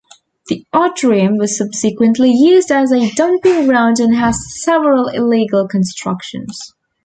The atrium was subsequently used as a dumping ground and has several illegal constructions.